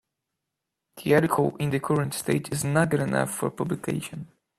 The article in the current state is not good enough for publication.